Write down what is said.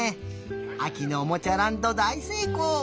あきのおもちゃランドだいせいこう！